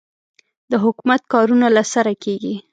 د حکومت کارونه له سره کېږي.